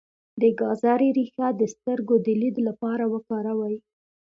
د ګازرې ریښه د سترګو د لید لپاره وکاروئ